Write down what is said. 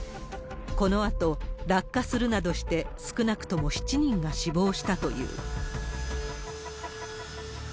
このあと、落下するなどして少なくとも７人が死亡したという。